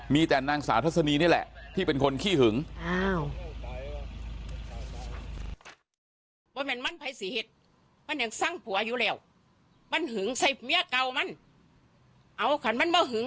มีแต่นางสาวทัศนีนี่แหละที่เป็นคนขี้หึง